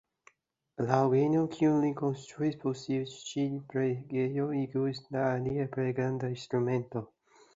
La orgeno kiun li konstruis por tiu ĉi preĝejo iĝus lia plej granda instrumento.